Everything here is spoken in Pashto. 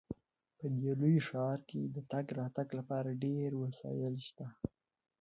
په دې لوی ښار کې د تګ راتګ لپاره ډیر وسایل شته